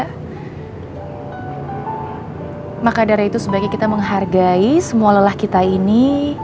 maka dari itu sebaiknya kita menghargai semua lelah kita ini